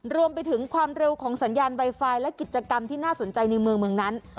รวมไปถึงความเร็วของสัญญาณไวไฟและกิจกรรมที่น่าสนใจในเมืองนั้น